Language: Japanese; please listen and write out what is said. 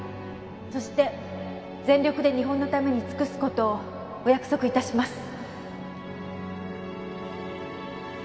「そして全力で日本のために尽くす事をお約束致します」